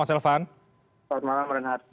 selamat malam renhar